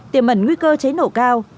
tiềm mẩn nguy cơ cháy nổ cao